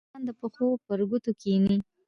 مچان د پښو پر ګوتو کښېني